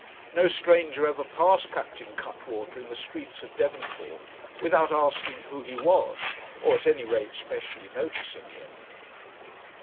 No stranger ever passed Captain Cuttwater in the streets of Devonport without asking who he was, or, at any rate, specially noticing him.